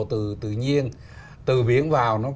từ tự nhiên từ biển vào